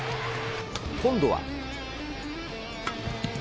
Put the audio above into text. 今度は。